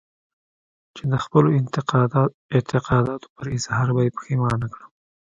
چې د خپلو اعتقاداتو پر اظهار به يې پښېمانه کړم.